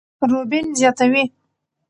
روبين زياتوي،